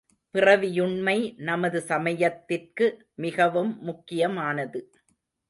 பிறவியுண்மை நமது சமயத்திற்கு மிகவும் முக்கியமானது.